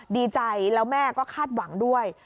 ดีใจแล้วแม่ก็คาดหวังด้วย